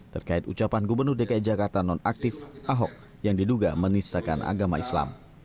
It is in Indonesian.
terkait ucapan gubernur dki jakarta nonaktif ahok yang diduga menistakan agama islam